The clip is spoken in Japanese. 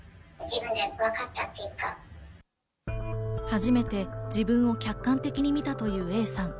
初めて自分を客観的に見たというＡさん。